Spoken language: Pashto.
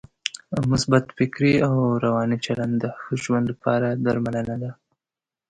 مثبت فکري او روانی چلند د ښه ژوند لپاره درملنه ده.